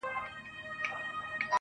د زړه جيب كي يې ساتم انځورونه ،گلابونه.